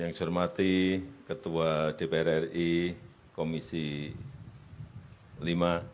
yang saya hormati ketua dpr ri komisi lima